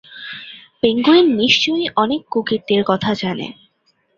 Penguin নিশ্চয়ই অনেক কুকীর্তির কথা জানে।